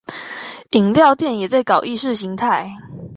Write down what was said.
飲料店也在搞意識形態